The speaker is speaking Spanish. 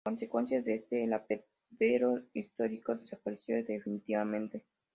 A consecuencia de este, el apeadero histórico desapareció definitivamente.